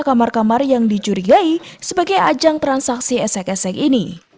kamar kamar yang dicurigai sebagai ajang transaksi esek esek ini